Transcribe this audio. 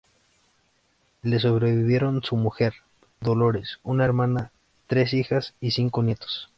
Le sobrevivieron su mujer, Dolores, una hermana, tres hijas y cinco nietos.